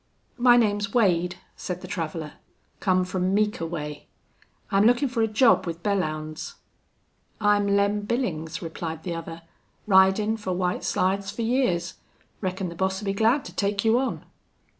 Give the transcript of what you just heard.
"My name's Wade," said the traveler. "Come from Meeker way. I'm lookin' for a job with Belllounds." "I'm Lem Billings," replied the other. "Ridin' fer White Slides fer years. Reckon the boss'll be glad to take you on."